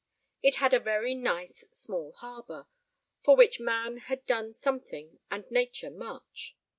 It had a very nice small harbour, for which man had done something and nature much.